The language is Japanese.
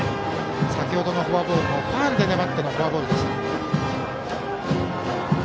先ほどのフォアボールもファウルで粘ってのフォアボールでした。